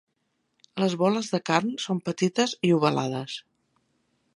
Les boles de carn són petites i ovalades.